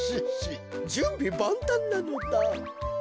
じゅんびばんたんなのだ。